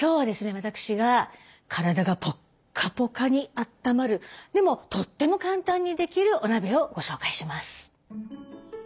私が体がポッカポカにあったまるでもとっても簡単にできるお鍋をご紹介します。